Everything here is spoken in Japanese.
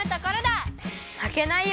まけないよ！